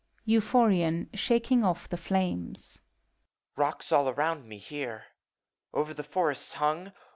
BUPHORIOir (shaking off the flames). Rocks all around me here. Over the forests hung!